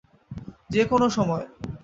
যে কোন সময়।